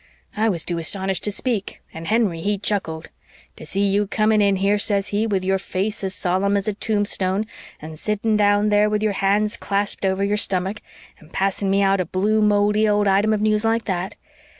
I was too astonished to speak, and Henry, he chuckled. 'To see you coming in here,' says he, 'with your face as solemn as a tombstone and sitting down there with your hands clasped over your stomach, and passing me out a blue mouldy old item of news like that!